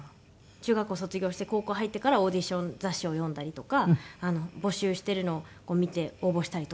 中学校卒業して高校入ってからオーディション雑誌を読んだりとか募集してるのを見て応募したりとかしてました。